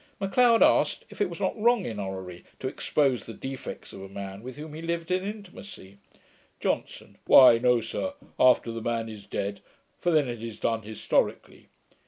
M'Leod asked, if it was not wrong in Orrery to expose the defects of a man with whom he lived in intimacy. JOHNSON. 'Why no, sir, after the man is dead; for then it is done historically.'